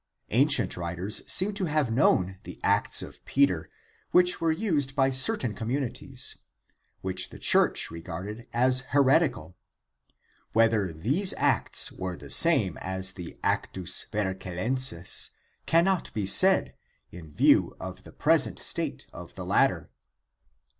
Ancient writers seem to have known the Acts of Peter which were used by certain com munities, which the church regarded as heretical (Eusebius, His. eccles., Ill, 3, 2.) ^ Whether these Acts were the same as the Actus Vercellenses cannot be said in view of the pres ent state of the latter.